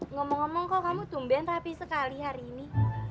ngomong ngomong kok kamu tumben rapi sekali hari ini